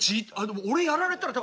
でも俺やられたら。